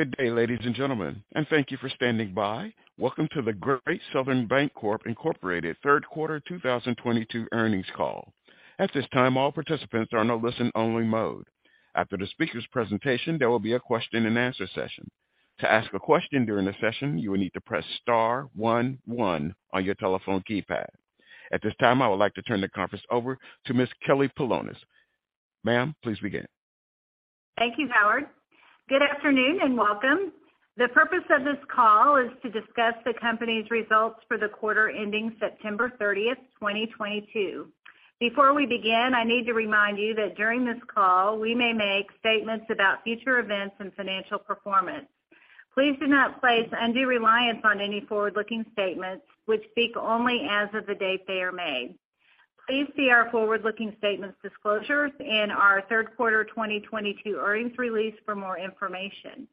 Good day, ladies and gentlemen, and thank you for standing by. Welcome to the Great Southern Bancorp, Inc. Q3 2022 earnings call. At this time, all participants are in a listen-only mode. After the speaker's presentation, there will be a question-and-answer session. To ask a question during the session, you will need to press star one one on your telephone keypad. At this time, I would like to turn the conference over to Ms. Kelly Polonus. Ma'am, please begin. Thank you, Howard. Good afternoon and welcome. The purpose of this call is to discuss the company's results for the quarter ending September 30, 2022. Before we begin, I need to remind you that during this call, we may make statements about future events and financial performance. Please do not place undue reliance on any forward-looking statements which speak only as of the date they are made. Please see our forward-looking statements disclosures in our Q3 2022 earnings release for more information.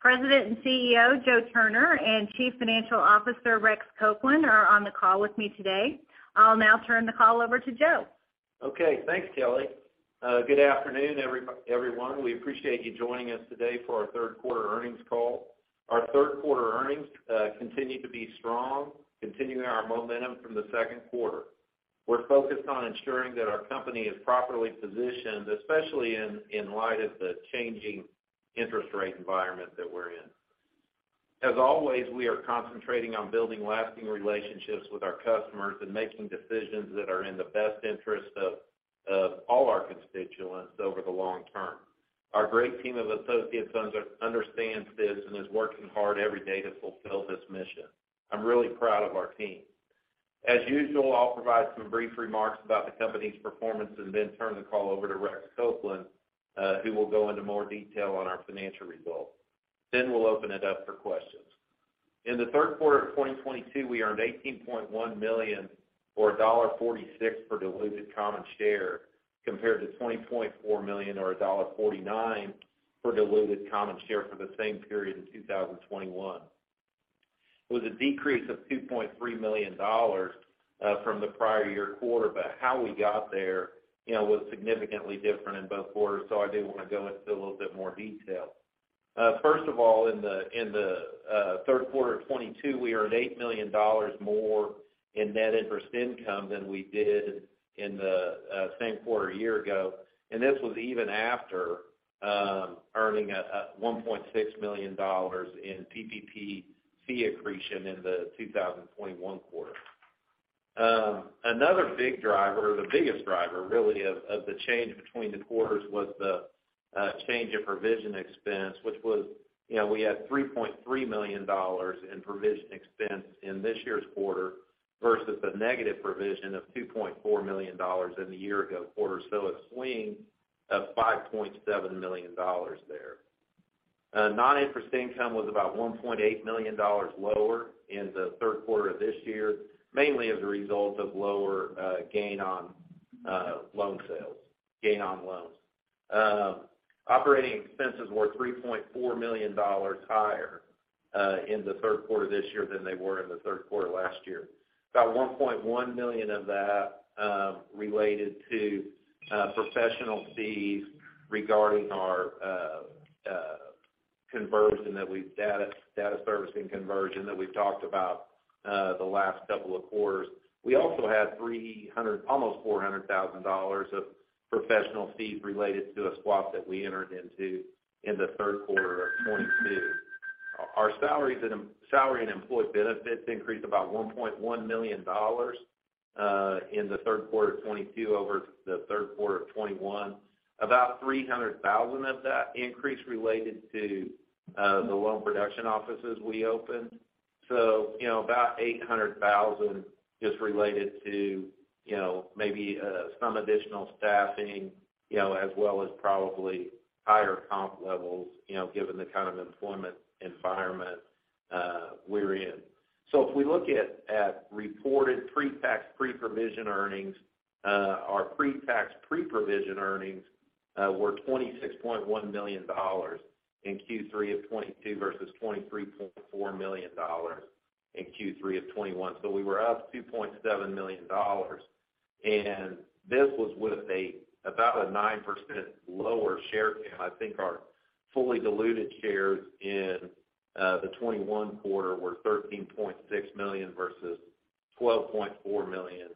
President and CEO, Joe Turner, and Chief Financial Officer, Rex Copeland, are on the call with me today. I'll now turn the call over to Joe. Okay, thanks, Kelly. Good afternoon, everyone. We appreciate you joining us today for our Q3 earnings call. Our Q3 earnings continue to be strong, continuing our momentum from the Q2. We're focused on ensuring that our company is properly positioned, especially in light of the changing interest rate environment that we're in. As always, we are concentrating on building lasting relationships with our customers and making decisions that are in the best interest of all our constituents over the long term. Our great team of associates understands this and is working hard every day to fulfill this mission. I'm really proud of our team. As usual, I'll provide some brief remarks about the company's performance and then turn the call over to Rex Copeland, who will go into more detail on our financial results. Then we'll open it up for questions. In the Q3 of 2022, we earned $18.1 million or $1.46 per diluted common share, compared to $20.4 million or $1.49 per diluted common share for the same period in 2021. It was a decrease of $2.3 million from the prior year quarter, but how we got there, you know, was significantly different in both quarters, so I do want to go into a little bit more detail. First of all, in the Q3 of 2022, we earned $8 million more in net interest income than we did in the same quarter a year ago, and this was even after earning a $1.6 million in PPP fee accretion in the 2021 quarter. Another big driver, the biggest driver really of the change between the quarters was the change in provision expense, which was, you know, we had $3.3 million in provision expense in this year's quarter versus the negative provision of $2.4 million in the year ago quarter. A swing of $5.7 million there. Non-interest income was about $1.8 million lower in the Q3 of this year, mainly as a result of lower gain on loans. Operating expenses were $3.4 million higher in the Q3 this year than they were in the Q3 last year. About $1.1 million of that related to professional fees regarding our conversion that we've. Data servicing conversion that we've talked about the last couple of quarters. We also had $300,000, almost $400,000 of professional fees related to a swap that we entered into in the Q3 of 2022. Our salaries and salary and employee benefits increased about $1.1 million in the Q3 of 2022 over the Q3 of 2021. About $300,000 of that increase related to the loan production offices we opened. You know, about $800,000 is related to, you know, maybe some additional staffing, you know, as well as probably higher comp levels, you know, given the kind of employment environment we're in. If we look at reported pre-tax, pre-provision earnings, our pre-tax, pre-provision earnings were $26.1 million in Q3 of 2022 versus $23.4 million in Q3 of 2021. We were up $2.7 million, and this was with about a 9% lower share count. I think our fully diluted shares in the 2021 quarter were 13.6 million versus 12.4 million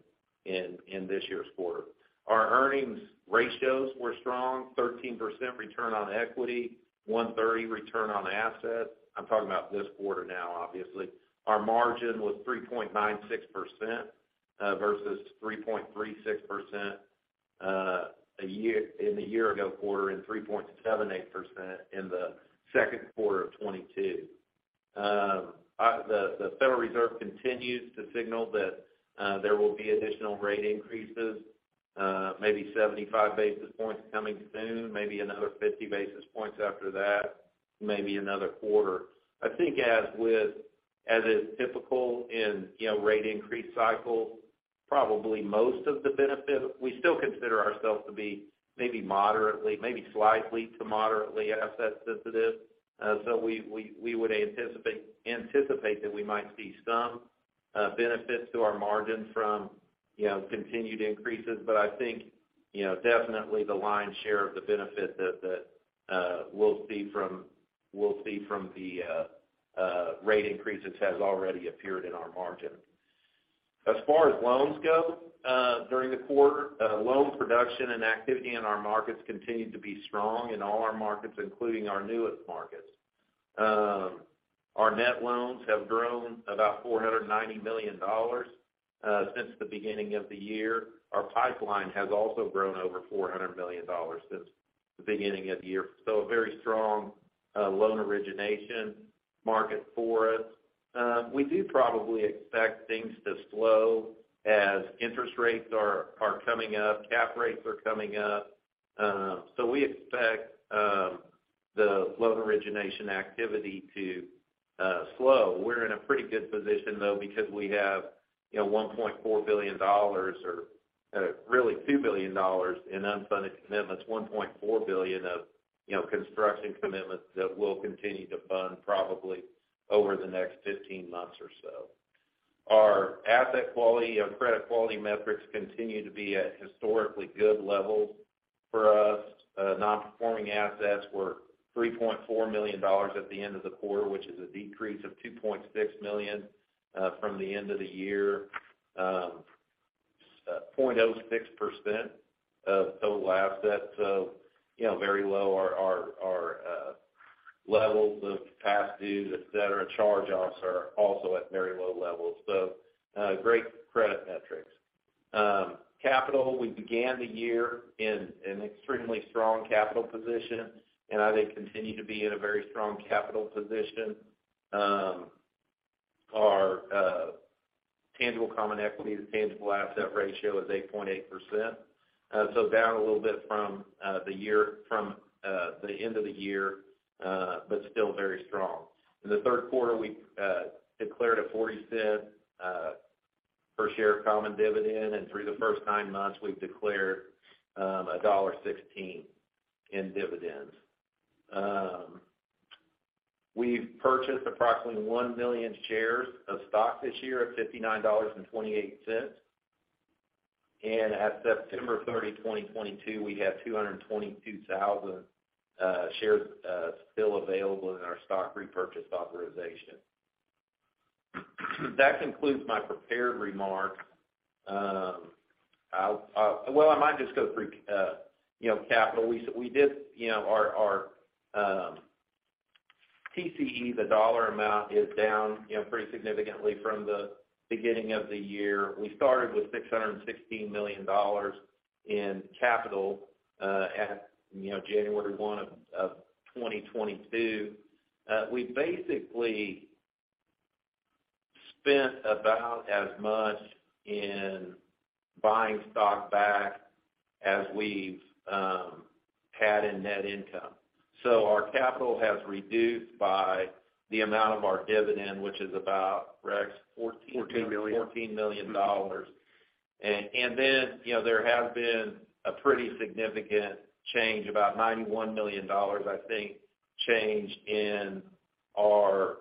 in this year's quarter. Our earnings ratios were strong, 13% return on equity, 1.30% return on assets. I'm talking about this quarter now, obviously. Our margin was 3.96%, versus 3.36% in the year ago quarter, and 3.78% in the Q2 of 2022. The Federal Reserve continues to signal that there will be additional rate increases, maybe 75 basis points coming soon, maybe another 50 basis points after that, maybe another quarter. I think as is typical in, you know, rate increase cycles, probably most of the benefit, we still consider ourselves to be maybe moderately, maybe slightly to moderately asset sensitive. So we would anticipate that we might see some benefits to our margin from. You know, continued increases, but I think, you know, definitely the lion's share of the benefit that we'll see from the rate increases has already appeared in our margin. As far as loans go, during the quarter, loan production and activity in our markets continued to be strong in all our markets, including our newest markets. Our net loans have grown about $490 million since the beginning of the year. Our pipeline has also grown over $400 million since the beginning of the year. A very strong loan origination market for us. We do probably expect things to slow as interest rates are coming up, cap rates are coming up. We expect the loan origination activity to slow. We're in a pretty good position though, because we have, you know, $1.4 billion or really $2 billion in unfunded commitments, $1.4 billion of construction commitments that we'll continue to fund probably over the next 15 months or so. Our asset quality and credit quality metrics continue to be at historically good levels for us. Non-performing assets were $3.4 million at the end of the quarter, which is a decrease of $2.6 million from the end of the year. 0.06% of total assets. You know, very low, our levels of past dues, et cetera, charge-offs are also at very low levels. Great credit metrics. Capital, we began the year in an extremely strong capital position, and I think continue to be in a very strong capital position. Our tangible common equity to tangible asset ratio is 8.8%. Down a little bit from the end of the year, but still very strong. In the Q3, we declared a $0.40 per share common dividend, and through the first nine months, we've declared $1.16 in dividends. We've purchased approximately 1 million shares of stock this year at $59.28. At September 30, 2022, we have 222,000 shares still available in our stock repurchase authorization. That concludes my prepared remarks. Well, I might just go through, you know, capital. We did, you know, our TCE, the dollar amount is down, you know, pretty significantly from the beginning of the year. We started with $616 million in capital at, you know, January 1, 2022. We basically spent about as much in buying stock back as we've had in net income. Our capital has reduced by the amount of our dividend, which is about, Rex? $14 million. $14 million. Then, you know, there has been a pretty significant change, about $91 million, I think, change in our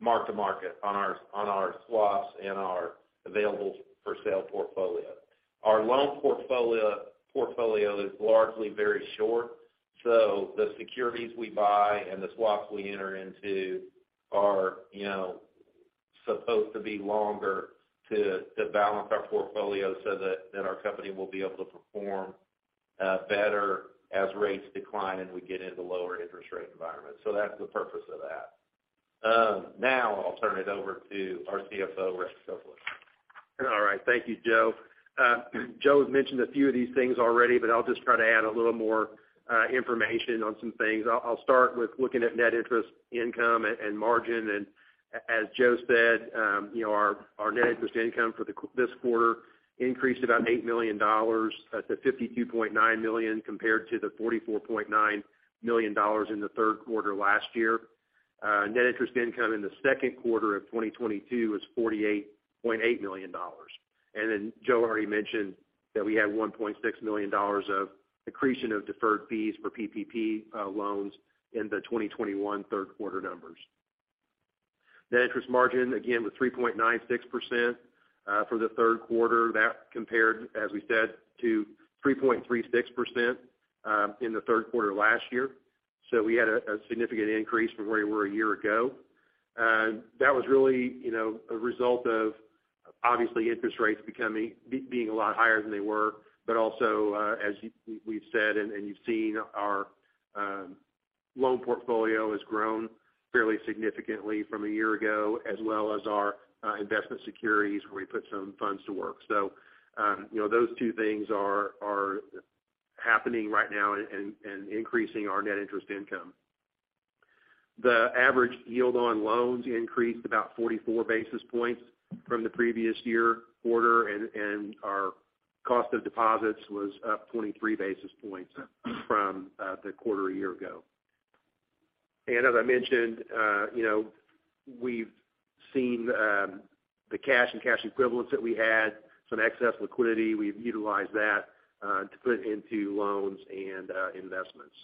mark-to-market on our swaps and our available for sale portfolio. Our loan portfolio is largely very short. The securities we buy and the swaps we enter into are, you know, supposed to be longer to balance our portfolio so that then our company will be able to perform better as rates decline, and we get into lower interest rate environments. That's the purpose of that. Now I'll turn it over to our CFO, Rex A. Copeland. All right. Thank you, Joe. Joe has mentioned a few of these things already, but I'll just try to add a little more information on some things. I'll start with looking at net interest income and margin. As Joe said, you know, our net interest income for this quarter increased about $8 million to 52.9 million, compared to the $44.9 million in the Q3 last year. Net interest income in the Q2 of 2022 was $48.8 million. Joe already mentioned that we had $1.6 million of accretion of deferred fees for PPP loans in the 2021 Q3 numbers. Net interest margin, again, with 3.96%, for the Q3. That compared, as we said, to 3.36% in the Q3 last year. We had a significant increase from where we were a year ago. That was really, you know, a result of obviously interest rates being a lot higher than they were. But also, as we've said and you've seen our loan portfolio has grown fairly significantly from a year ago, as well as our investment securities where we put some funds to work. You know, those two things are happening right now and increasing our net interest income. The average yield on loans increased about 44 basis points from the previous year quarter, and our cost of deposits was up 23 basis points from the quarter a year ago. As I mentioned, you know, we've seen the cash and cash equivalents that we had, some excess liquidity. We've utilized that to put into loans and investments.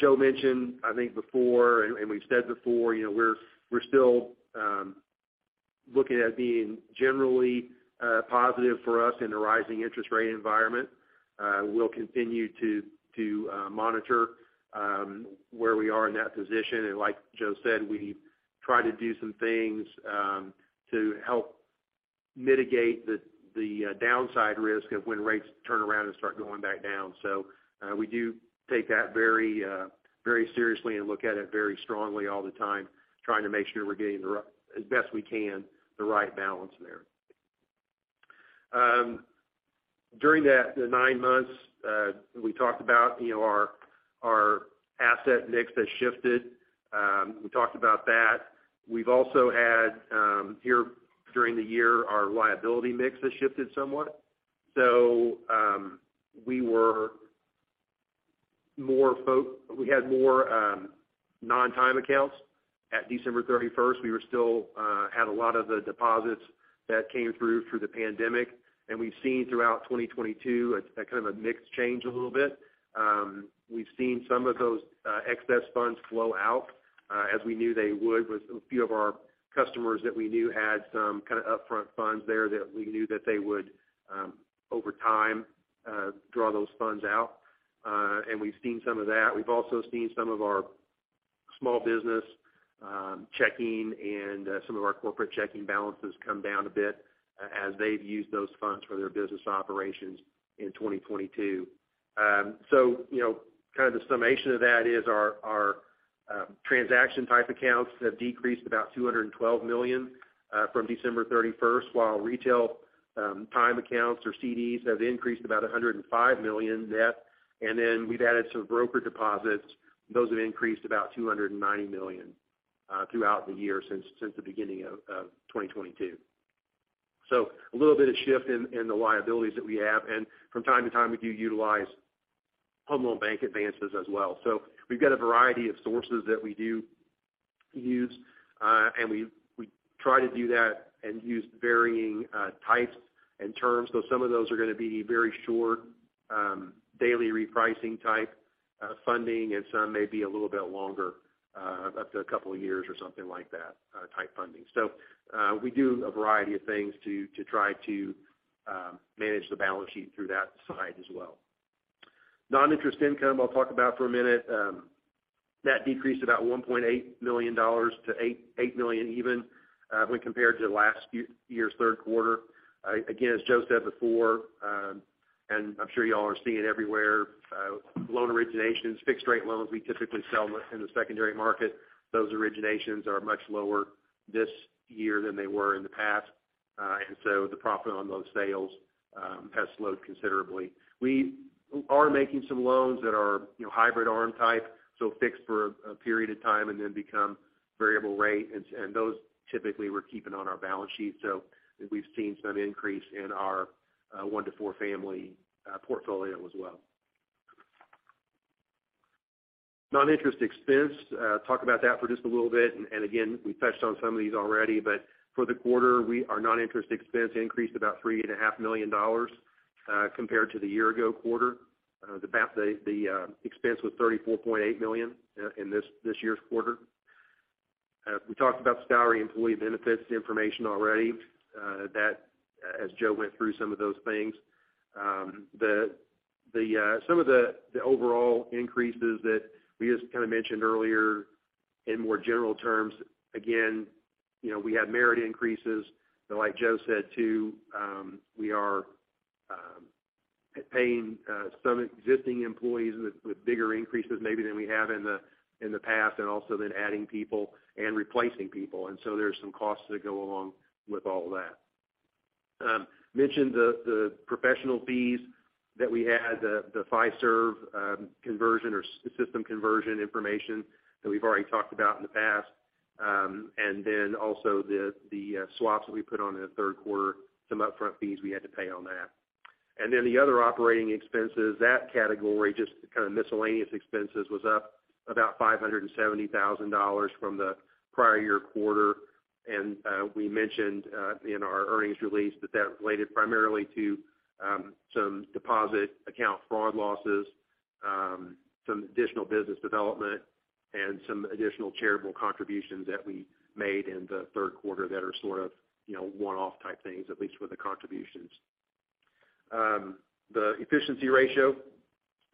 Joe mentioned, I think before, and we've said before, you know, we're still looking at being generally positive for us in a rising interest rate environment. We'll continue to monitor where we are in that position. Like Joe said, we try to do some things to help mitigate the downside risk of when rates turn around and start going back down. We do take that very very seriously and look at it very strongly all the time, trying to make sure we're getting the right balance as best we can there. During that, the nine months, we talked about, you know, our asset mix has shifted. We talked about that. We've also had, here during the year, our liability mix has shifted somewhat. We had more non-time accounts at December 31. We still had a lot of the deposits that came through for the pandemic. We've seen throughout 2022 a kind of mix change a little bit. We've seen some of those excess funds flow out, as we knew they would with a few of our customers that we knew had some kind of upfront funds there that we knew that they would, over time, draw those funds out. We've seen some of that. We've also seen some of our small business checking and some of our corporate checking balances come down a bit as they've used those funds for their business operations in 2022. You know, kind of the summation of that is our transaction type accounts have decreased about $212 million from December 31, while retail time accounts or CDs have increased about $105 million net. Then we've added some broker deposits. Those have increased about $290 million throughout the year since the beginning of 2022. A little bit of a shift in the liabilities that we have. From time to time, we do utilize Federal Home Loan Bank advances as well. We've got a variety of sources that we do use, and we try to do that and use varying types and terms. Some of those are gonna be very short, daily repricing type funding, and some may be a little bit longer, up to a couple of years or something like that, type funding. We do a variety of things to try to manage the balance sheet through that side as well. Non-interest income, I'll talk about for a minute. That decreased about $1.8 million to 8 million even, when compared to last year's Q3. Again, as Joe said before, and I'm sure you all are seeing everywhere, loan originations, fixed-rate loans we typically sell in the secondary market, those originations are much lower this year than they were in the past. The profit on those sales has slowed considerably. We are making some loans that are, you know, hybrid ARM type, so fixed for a period of time and then become variable rate. And those typically we're keeping on our balance sheet. We've seen some increase in our one-four family portfolio as well. Noninterest expense, talk about that for just a little bit. And again, we touched on some of these already. For the quarter, our noninterest expense increased about $3.5 million compared to the year-ago quarter. The expense was $34.8 million in this year's quarter. We talked about salary employee benefits information already, that, as Joe went through some of those things. Some of the overall increases that we just kind of mentioned earlier in more general terms, again, you know, we had merit increases. Like Joe said, too, we are paying some existing employees with bigger increases maybe than we have in the past, and also then adding people and replacing people. There's some costs that go along with all that. Mentioned the professional fees that we had, the Fiserv conversion or system conversion information that we've already talked about in the past. Also the swaps that we put on in the Q3, some upfront fees we had to pay on that. The other operating expenses, that category, just kind of miscellaneous expenses, was up about $570,000 from the prior year quarter. We mentioned in our earnings release that that related primarily to some deposit account fraud losses, some additional business development, and some additional charitable contributions that we made in the Q3 that are sort of, you know, one-off type things, at least with the contributions. The efficiency ratio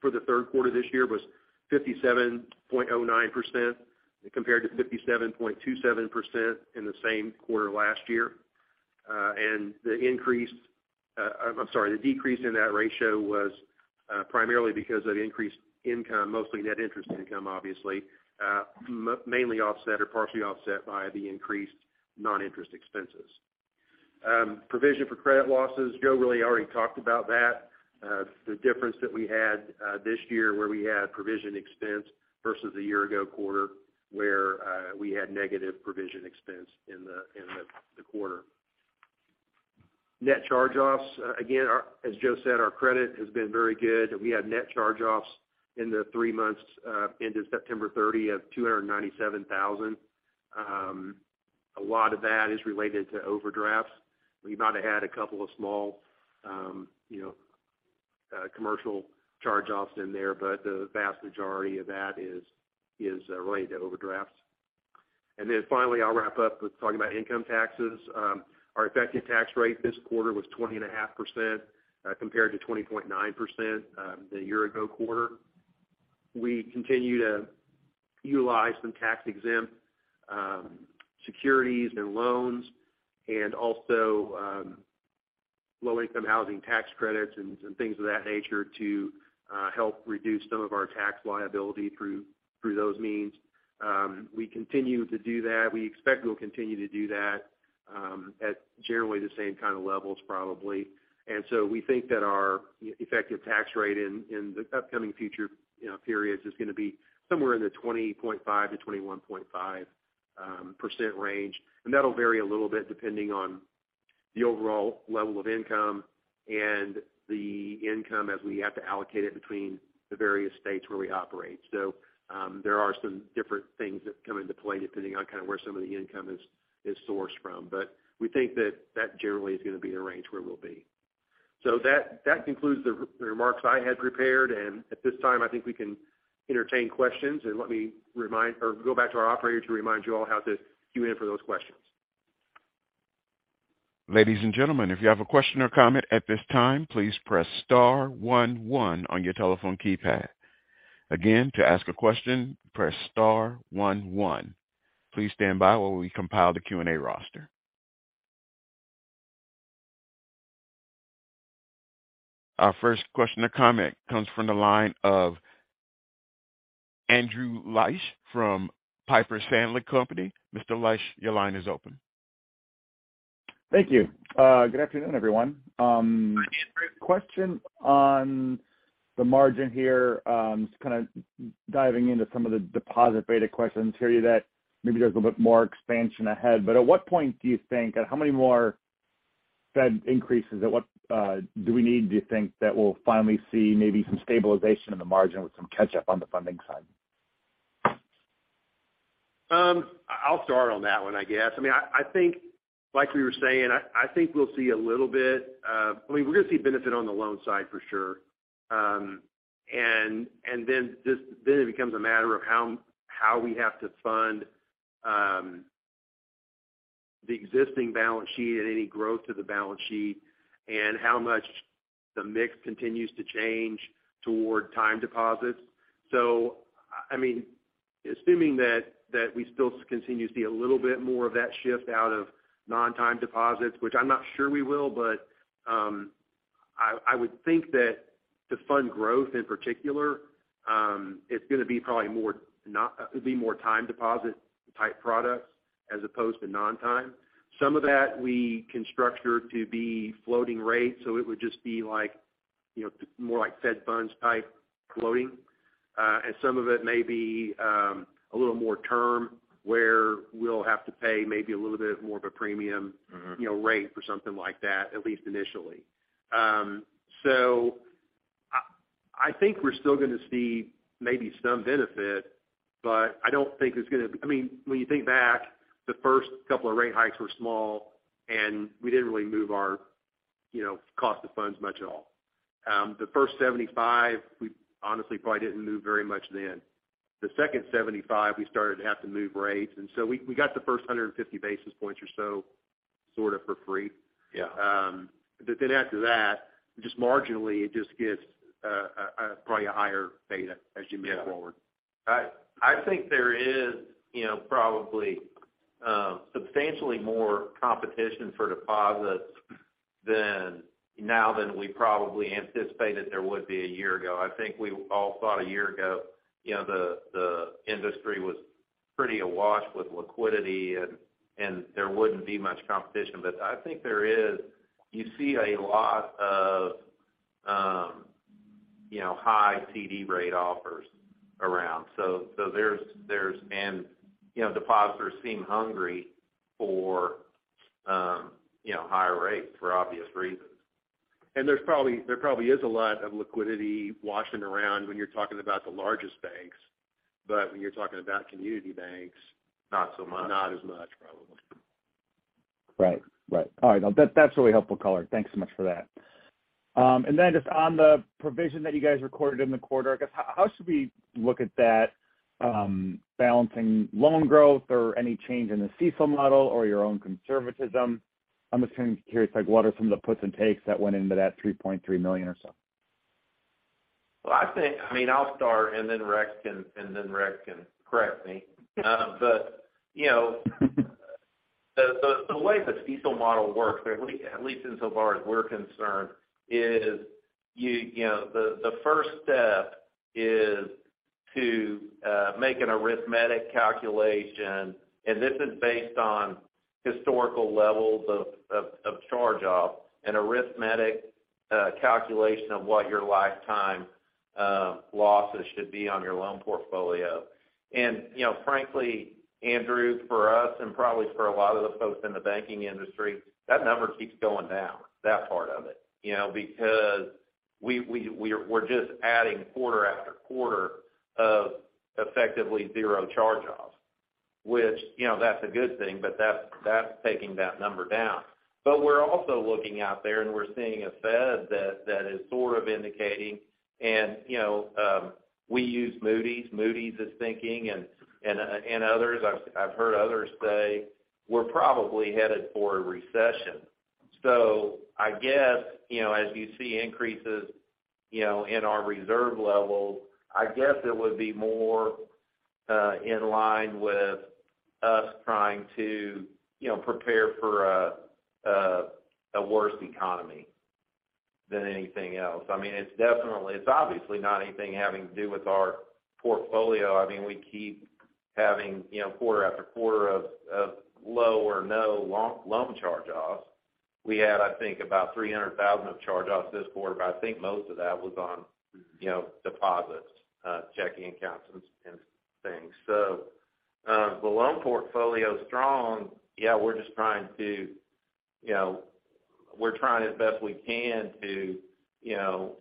for the Q3 this year was 57.09% compared to 57.27% in the same quarter last year. The increase, I'm sorry, the decrease in that ratio was primarily because of increased income, mostly net interest income, obviously, mainly offset or partially offset by the increased non-interest expenses. Provision for credit losses, Joe really already talked about that. The difference that we had this year where we had provision expense versus the year ago quarter where we had negative provision expense in the quarter. Net charge-offs, again, as Joe said, our credit has been very good. We had net charge-offs in the three months into September 30 of $297,000. A lot of that is related to overdrafts. We might have had a couple of small, you know, commercial charge-offs in there, but the vast majority of that is related to overdrafts. Finally, I'll wrap up with talking about income taxes. Our effective tax rate this quarter was 20.5%, compared to 20.9%, the year ago quarter. We continue to utilize some tax-exempt securities and loans and also low-income housing tax credits and things of that nature to help reduce some of our tax liability through those means. We continue to do that. We expect we'll continue to do that at generally the same kind of levels, probably. We think that our effective tax rate in the upcoming future, you know, periods is gonna be somewhere in the 20.5%-21.5% range. That'll vary a little bit depending on the overall level of income and the income as we have to allocate it between the various states where we operate. There are some different things that come into play depending on kind of where some of the income is sourced from. We think that that generally is gonna be the range where we'll be. That concludes the remarks I had prepared, and at this time, I think we can entertain questions. Let me remind or go back to our operator to remind you all how to queue in for those questions. Ladies and gentlemen, if you have a question or comment at this time, please press star one one on your telephone keypad. Again, to ask a question, press star one one. Please stand by while we compile the Q&A roster. Our first question or comment comes from the line of Andrew Liesch from Piper Sandler Companies. Mr. Liesch, your line is open. Thank you. Good afternoon, everyone. Question on the margin here, just kind of diving into some of the deposit beta questions here that maybe there's a bit more expansion ahead. At what point do you think, at how many more Fed increases, at what, do we need, do you think, that we'll finally see maybe some stabilization in the margin with some catch-up on the funding side? I'll start on that one, I guess. I mean, I think, like we were saying, I think we'll see a little bit. I mean, we're gonna see benefit on the loan side for sure. Then it becomes a matter of how we have to fund the existing balance sheet and any growth to the balance sheet and how much the mix continues to change toward time deposits. I mean, assuming that we still continue to see a little bit more of that shift out of non-time deposits, which I'm not sure we will, but I would think that to fund growth in particular, it's gonna be probably it'll be more time deposit type products as opposed to non-time. Some of that we can structure to be floating rates, so it would just be like, you know, more like Fed Funds type floating. Some of it may be a little more term where we'll have to pay maybe a little bit more of a premium. Mm-hmm. You know, rate for something like that, at least initially. I think we're still gonna see maybe some benefit, but I don't think it's gonna I mean, when you think back, the first couple of rate hikes were small, and we didn't really move our, you know, cost of funds much at all. The first 75, we honestly probably didn't move very much then. The second 75, we started to have to move rates, and we got the first 150 basis points or so sort of for free. Yeah. After that, just marginally, it just gets probably a higher beta as you move forward. Yeah. I think there is, you know, probably substantially more competition for deposits than now than we probably anticipated there would be a year ago. I think we all thought a year ago, you know, the industry was pretty awash with liquidity and there wouldn't be much competition. I think there is. You see a lot of, you know, high CD rate offers around. There's depositors seem hungry for, you know, higher rates for obvious reasons. There's probably a lot of liquidity washing around when you're talking about the largest banks. When you're talking about community banks. Not so much. Not as much, probably. All right. No, that's a really helpful color. Thanks so much for that. Just on the provision that you guys recorded in the quarter, I guess, how should we look at that, balancing loan growth or any change in the CECL model or your own conservatism? I'm just curious, like, what are some of the puts and takes that went into that $3.3 million or so? Well, I think I mean, I'll start, and then Rex can correct me. But you know, the way the CECL model works, at least insofar as we're concerned, is you know, the first step is to make an arithmetic calculation, and this is based on historical levels of charge-off, an arithmetic calculation of what your lifetime losses should be on your loan portfolio. You know, frankly, Andrew, for us, and probably for a lot of the folks in the banking industry, that number keeps going down, that part of it. You know, because We're just adding quarter after quarter of effectively zero charge-offs, which, you know, that's a good thing, but that's taking that number down. We're also looking out there, and we're seeing a Fed that is sort of indicating and, you know, we use Moody's. Moody's is thinking and others. I've heard others say we're probably headed for a recession. I guess, you know, as you see increases, you know, in our reserve levels, I guess it would be more in line with us trying to, you know, prepare for a worse economy than anything else. I mean, it's definitely, it's obviously not anything having to do with our portfolio. I mean, we keep having, you know, quarter after quarter of low or no loan charge-offs. We had, I think, about $300,000 of charge-offs this quarter, but I think most of that was on, you know, deposits, checking accounts and things. The loan portfolio is strong. Yeah, we're trying as best we can to, you know,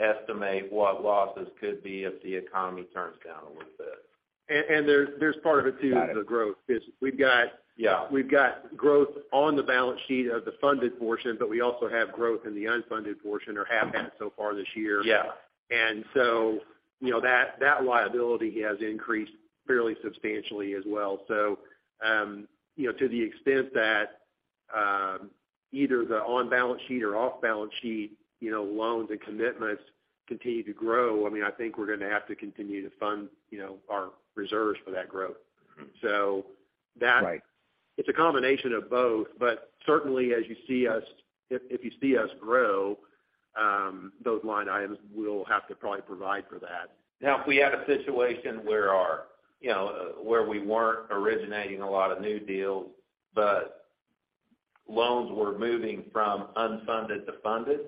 estimate what losses could be if the economy turns down a little bit. There's part of it too. Got it. This is the growth. Yeah. We've got growth on the balance sheet of the funded portion, but we also have growth in the unfunded portion or have had so far this year. Yeah. you know, that liability has increased fairly substantially as well. you know, to the extent that, either the on-balance sheet or off-balance sheet, you know, loans and commitments continue to grow, I mean, I think we're gonna have to continue to fund, you know, our reserves for that growth. Mm-hmm. So that- Right. It's a combination of both. Certainly as you see us, if you see us grow, those line items will have to probably provide for that. Now, if we had a situation where our, you know, where we weren't originating a lot of new deals, but loans were moving from unfunded to funded,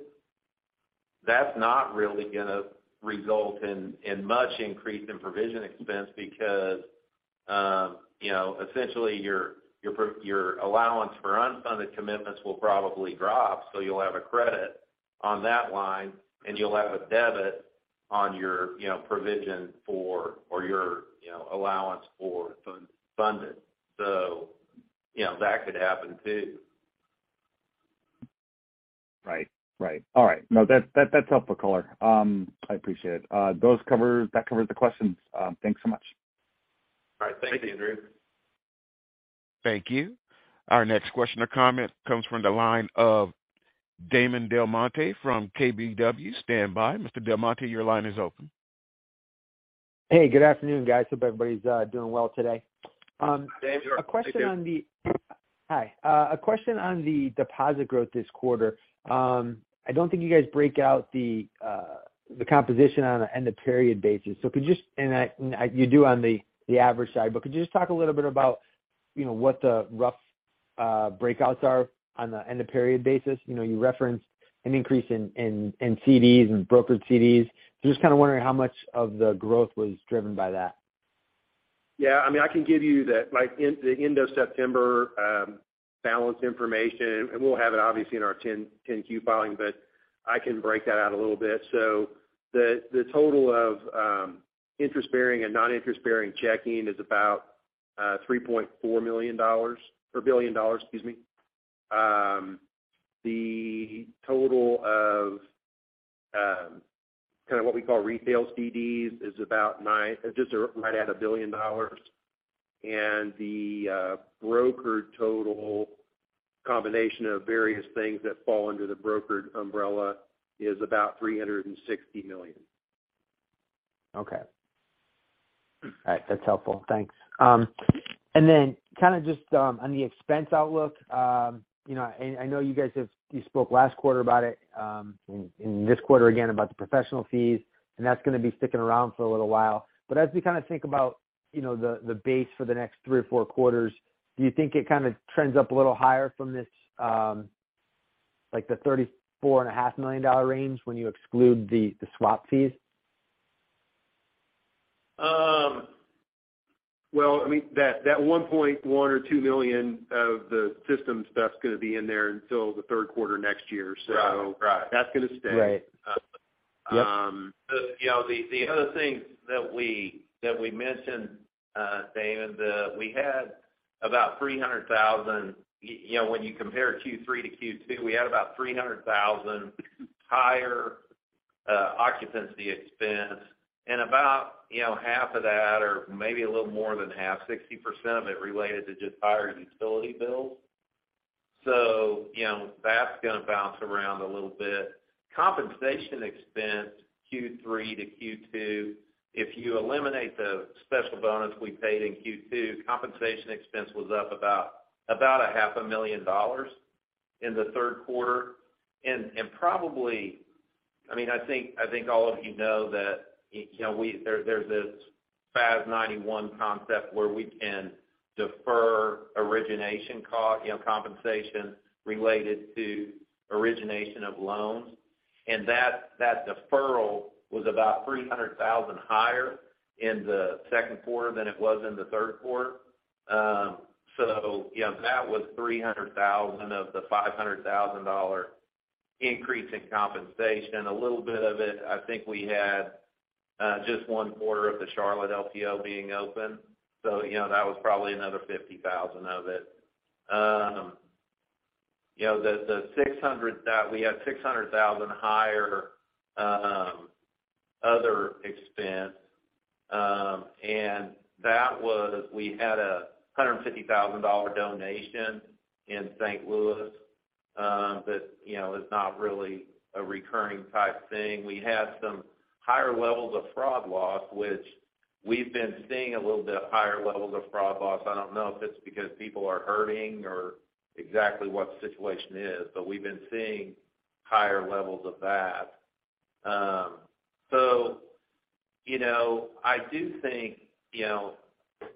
that's not really gonna result in much increase in provision expense because, you know, essentially your allowance for unfunded commitments will probably drop. So you'll have a credit on that line, and you'll have a debit on your, you know, allowance for funded. So, you know, that could happen too. All right. No, that's helpful, Collier. I appreciate it. That covers the questions. Thanks so much. All right. Thank you, Andrew. Thank you. Our next question or comment comes from the line of Damon DelMonte from KBW. Stand by. Mr. DelMonte, your line is open. Hey, good afternoon guys. Hope everybody's doing well today. Hi, Damon. A question on the- Thank you. Hi. A question on the deposit growth this quarter. I don't think you guys break out the composition on end-of-period basis. You do on the average side, but could you just talk a little bit about, you know, what the rough breakouts are on the end-of-period basis? You know, you referenced an increase in CDs and brokered CDs. Just kind of wondering how much of the growth was driven by that. Yeah, I mean, I can give you the, like, end of September balance information, and we'll have it obviously in our 10-Q filing, but I can break that out a little bit. The total of interest-bearing and non-interest-bearing checking is about $3.4 billion, excuse me. The total of what we call retail CDs is just right at $1 billion. The brokered total combination of various things that fall under the brokered umbrella is about $360 million. Okay. All right. That's helpful. Thanks. Then kind of just on the expense outlook, you know, and I know you spoke last quarter about it, and this quarter again about the professional fees, and that's gonna be sticking around for a little while. As we kind of think about, you know, the base for the next three or four quarters, do you think it kind of trends up a little higher from this, like the $34.5 million range when you exclude the swap fees? Well, I mean that $1.1-2 million of the system stuff's gonna be in there until the Q3 next year. Right. Right. That's gonna stay. Right. Um- Yep. You know, the other things that we mentioned, Damon. You know, when you compare Q3 to Q2, we had about $300,000 higher occupancy expense and about, you know, half of that, or maybe a little more than half, 60% of it related to just higher utility bills. You know, that's gonna bounce around a little bit. Compensation expense Q3 to Q2, if you eliminate the special bonus we paid in Q2, compensation expense was up about half a million dollars in the Q3. Probably, I mean, I think all of you know that, you know, there's this FAS 91 concept where we can defer origination cost, you know, compensation related to origination of loans. That deferral was about $300,000 higher in the Q2 than it was in the Q3. You know, that was $300,000 of the $500,000 increase in compensation. A little bit of it, I think we had just one quarter of the Charlotte LPO being open. You know, that was probably another $50,000 of it. You know, the six hundred, we had $600,000 higher other expense, and that was, we had a $150,000 donation in St. Louis, you know, that is not really a recurring type thing. We had some higher levels of fraud loss, which we've been seeing a little bit higher levels of fraud loss. I don't know if it's because people are hurting or exactly what the situation is, but we've been seeing higher levels of that. So, you know, I do think, you know,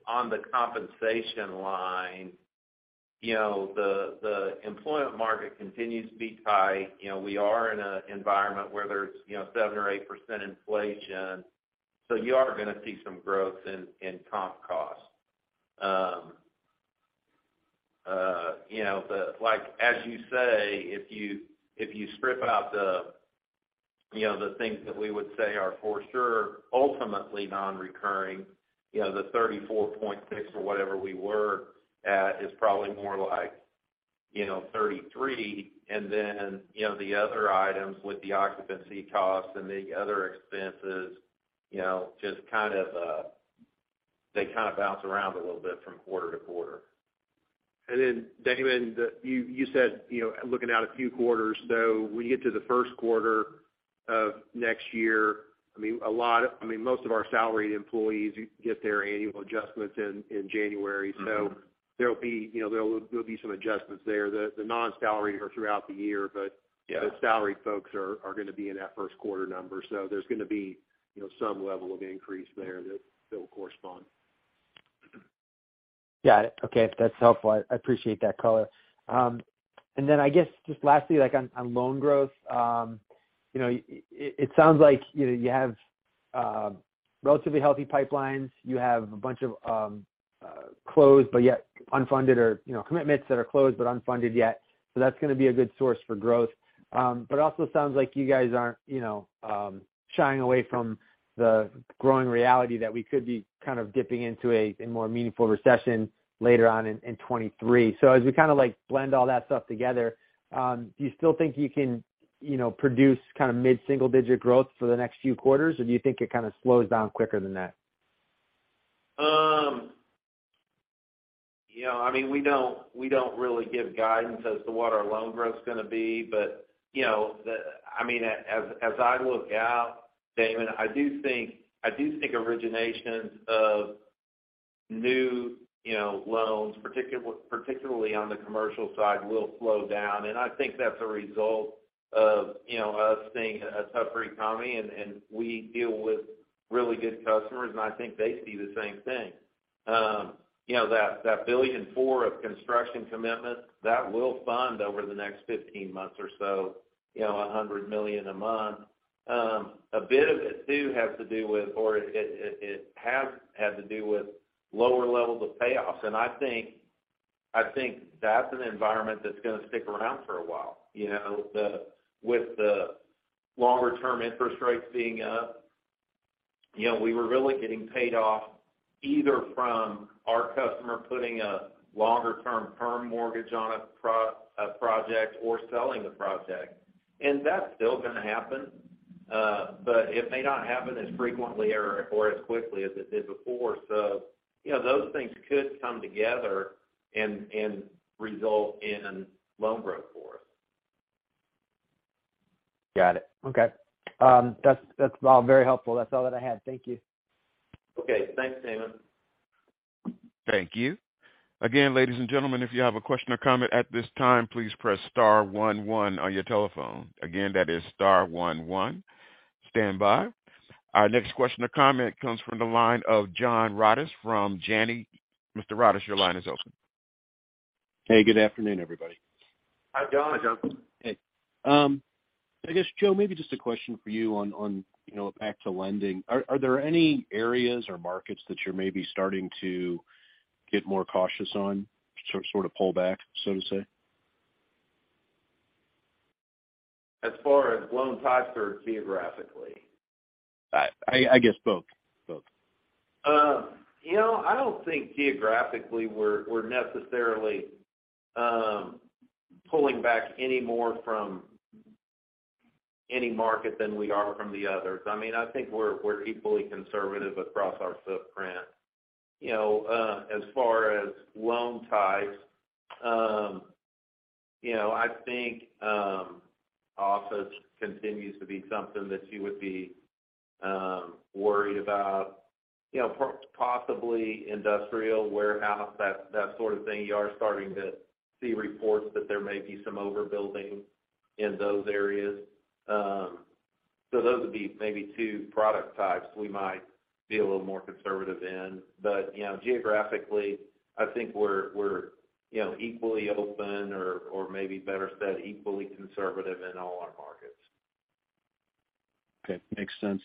on the compensation line, you know, the employment market continues to be tight. You know, we are in an environment where there's, you know, 7%-8% inflation, so you are gonna see some growth in comp costs. You know, like as you say, if you strip out the, you know, the things that we would say are for sure ultimately non-recurring, you know, the 34.6 or whatever we were at is probably more like, you know, 33. You know, the other items with the occupancy costs and the other expenses, you know, just kind of, they kind of bounce around a little bit from quarter to quarter. Damon, you said, you know, looking out a few quarters, though, when you get to the Q1 of next year, I mean, most of our salaried employees get their annual adjustments in January. Mm-hmm. there'll be, you know, there will be some adjustments there. The non-salaried are throughout the year, but Yeah. The salaried folks are gonna be in that Q1 number. There's gonna be, you know, some level of increase there that will correspond. Got it. Okay. That's helpful. I appreciate that color. And then I guess just lastly, like on loan growth, it sounds like, you know, you have relatively healthy pipelines. You have a bunch of closed but yet unfunded or, you know, commitments that are closed but unfunded yet, so that's gonna be a good source for growth. Also sounds like you guys aren't, you know, shying away from the growing reality that we could be kind of dipping into a more meaningful recession later on in 2023. As we kind of like blend all that stuff together, do you still think you can, you know, produce kind of mid-single-digit growth for the next few quarters? Or do you think it kind of slows down quicker than that? You know, I mean, we don't really give guidance as to what our loan growth's gonna be. You know, I mean, as I look out, Damon, I do think originations of new, you know, loans, particularly on the commercial side, will slow down. I think that's a result of, you know, us seeing a tougher economy and we deal with really good customers, and I think they see the same thing. You know, that $1.4 billion of construction commitments, that will fund over the next 15 months or so, you know, $100 million a month. A bit of it, too, has had to do with lower levels of payoffs. I think that's an environment that's gonna stick around for a while. You know, with the longer term interest rates being up, you know, we were really getting paid off either from our customer putting a longer term perm mortgage on a project or selling the project. That's still gonna happen, but it may not happen as frequently or as quickly as it did before. You know, those things could come together and result in loan growth for us. Got it. Okay. That's all very helpful. That's all that I had. Thank you. Okay, thanks, Damon. Thank you. Again, ladies and gentlemen, if you have a question or comment at this time, please press star one one on your telephone. Again, that is star one one. Standby. Our next question or comment comes from the line of John Rodis from Janney. Mr. Rodis, your line is open. Hey, good afternoon, everybody. Hi, John. Hi, John. Hey. I guess, Joe, maybe just a question for you on, you know, back to lending. Are there any areas or markets that you're maybe starting to get more cautious on, sort of pull back, so to speak? As far as loan types or geographically? I guess both. You know, I don't think geographically we're necessarily pulling back any more from any market than we are from the others. I mean, I think we're equally conservative across our footprint. You know, as far as loan types, you know, I think office continues to be something that you would be worried about. You know, possibly industrial warehouse, that sort of thing, you are starting to see reports that there may be some overbuilding in those areas. So those would be maybe two product types we might be a little more conservative in. You know, geographically, I think we're, you know, equally open or maybe better said, equally conservative in all our markets. Okay. Makes sense.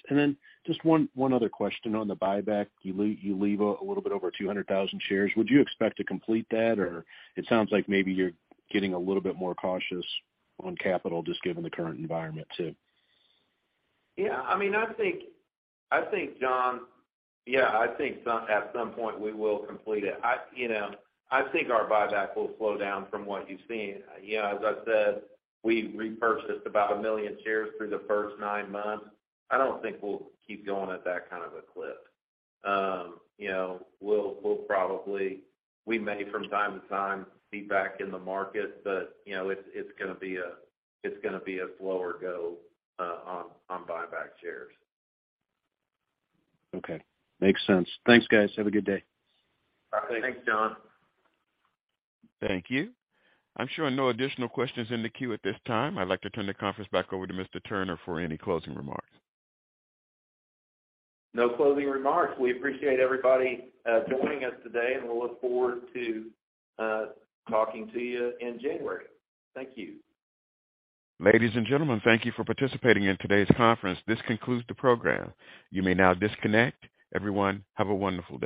Just one other question on the buyback. You leave a little bit over 200,000 shares. Would you expect to complete that or it sounds like maybe you're getting a little bit more cautious on capital just given the current environment too? Yeah, I mean, I think, John, yeah, I think at some point we will complete it. You know, I think our buyback will slow down from what you've seen. You know, as I said, we repurchased about 1 million shares through the first nine months. I don't think we'll keep going at that kind of a clip. You know, we'll probably, we may from time to time be back in the market, but, you know, it's gonna be a slower go on buyback shares. Okay. Makes sense. Thanks, guys. Have a good day. Okay, thanks, John. Thank you. I'm showing no additional questions in the queue at this time. I'd like to turn the conference back over to Mr. Turner for any closing remarks. No closing remarks. We appreciate everybody joining us today, and we'll look forward to talking to you in January. Thank you. Ladies and gentlemen, thank you for participating in today's conference. This concludes the program. You may now disconnect. Everyone, have a wonderful day.